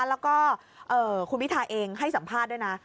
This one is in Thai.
แล้วก็คุณพิทาเองให้สัมภาษณ์ด้วยนะ